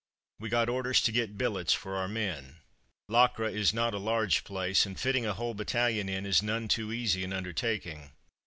We got orders to get billets for our men. Locre is not a large place, and fitting a whole battalion in is none too easy an undertaking.